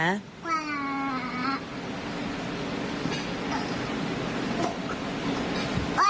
พาวนา